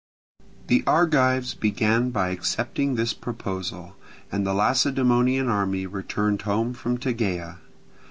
The Argives began by accepting this proposal, and the Lacedaemonian army returned home from Tegea.